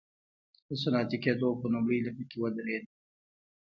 د صنعتي کېدو په لومړۍ لیکه کې ودرېد.